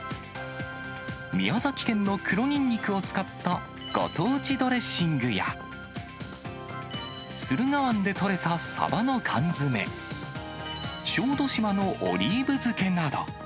宮崎県の黒ニンニクを使ったご当地ドレッシングや、駿河湾で取れたサバの缶詰、小豆島のオリーブ漬けなど。